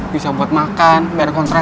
bisa buat makan bayar kontrakan